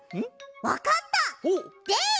わかった！